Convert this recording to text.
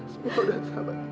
semua udah sabar